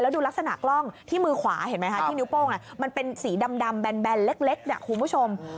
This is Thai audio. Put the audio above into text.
ดูลักษณะกล้องที่มือขวาเห็นไหมคะที่นิ้วโป้งมันเป็นสีดำแบนเล็กคุณผู้ชม